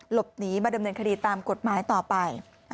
หลบหนีมาดำเนินคดีตามกฎหมายต่อไป